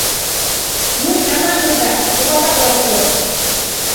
— Ну, чаманыза, тугакат роскот...